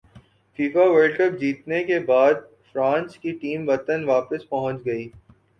FIFA World Cup جیتنے کے بعد فرانس کی ٹیم وطن واپس پہنچ گئی